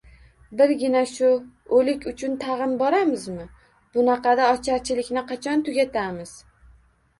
Birgina shu... o‘lik uchun tag‘in boramizmi? Bunaqada ocharchilikni qachon tugatamiz?